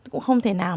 cũng không thể nào